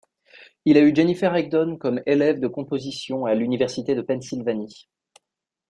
Il a eu Jennifer Higdon comme élève de composition à l'Université de Pennsylvanie.